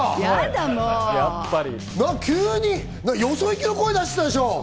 よそいきの声出してたでしょ？